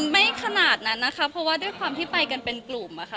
ไม่ขนาดนั้นนะคะเพราะว่าด้วยความที่ไปกันเป็นกลุ่มอะค่ะ